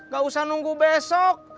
gak usah nunggu besok